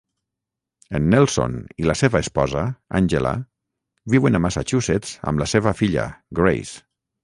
En Nelson i la seva esposa, Angela, viuen a Massachusetts amb la seva filla, Grace.